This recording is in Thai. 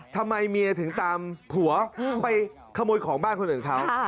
ทำไมเมียถึงตามผัวไปขโมยของบ้านคนอื่นเขา